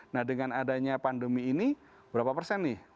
nah dengan adanya pandemi ini berapa persen nih